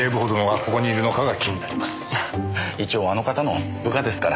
一応あの方の部下ですから。